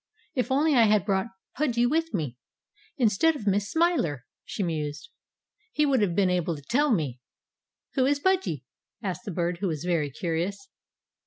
"If only I had brought Pudgy with me, instead of Miss Smiler," she mused, "he would have been able to tell me!" "Who is Pudgy?" asked the Bird, who was very curious.